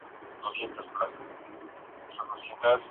Fue descubierto en un partido de Torneo De Copa.